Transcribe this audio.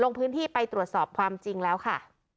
ลงพื้นที่ไปตรวจสอบความจริงแล้วค่ะ